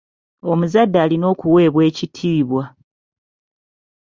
Omuzadde alina okuweebwa ekitiibwa.